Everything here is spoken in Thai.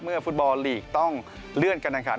เมื่อฟุตบอลหลีกต้องเลื่อนกันดังขัน